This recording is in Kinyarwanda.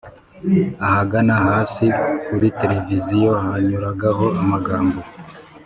ahagana hasi kuri televiziyo hanyuragaho amagambo